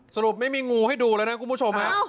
สรุปไม่มีงูให้ดูแล้วนะคุณผู้ชมฮะอ้าว